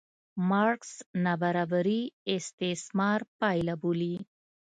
مارکس نابرابري استثمار پایله بولي.